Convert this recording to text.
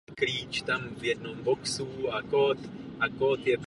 Po olympiádě ukončila aktivní kariéru.